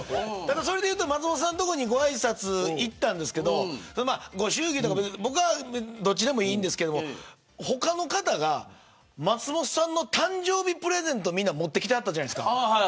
それでいうと松本さんの所にごあいさつに行ったんですけどご祝儀とか僕はどっちでもいいんですけど他の方が松本さんの誕生日プレゼントをみんな持ってきてはったじゃないですか。